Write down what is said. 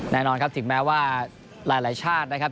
แน่นอนครับถึงแม้ว่าหลายชาตินะครับ